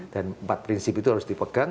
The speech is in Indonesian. dan empat prinsip itu harus dipegang